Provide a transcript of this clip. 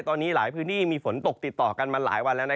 ตอนนี้หลายพื้นที่มีฝนตกติดต่อกันละ